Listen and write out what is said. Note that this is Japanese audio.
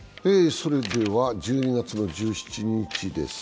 それでは１２月１７日です。